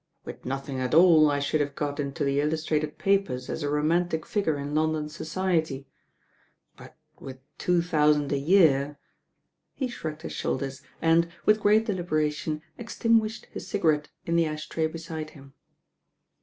With nothing at all I should have got into the illustrated papers as a romantic figure in London Society; but with two thousand a year " he shrugged his shoulders and, with great deliberation, extinguished his cigarette in the ash tray beside him.